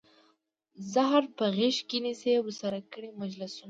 زهره په غیږ کې نیسي ورسره کړي مجلسونه